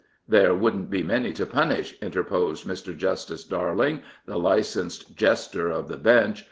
"There wouldn't be many to punish," interposed Mr. Justice Darling, the licensed jester of the Bench.